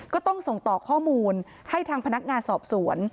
ก็ต้องส่งต่อข้อมูลให้ทางพนักงานสอบสวน